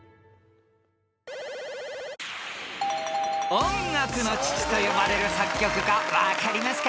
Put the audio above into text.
［音楽の父と呼ばれる作曲家分かりますか？］